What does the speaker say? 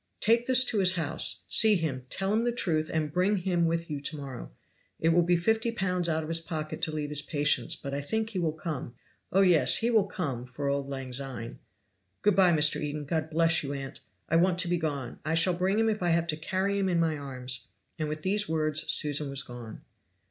"Take this to his house, see him, tell him the truth, and bring him with you to morrow it will be fifty pounds out of his pocket to leave his patients but I think he will come. Oh, yes! he will come for auld lang syne." "Good by, Mr. Eden God bless you, aunt. I want to be gone; I shall bring him if I have to carry him in my arms." And with these words Susan was gone.